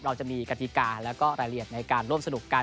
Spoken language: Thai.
เราจะมีกติกาแล้วก็รายละเอียดในการร่วมสนุกกัน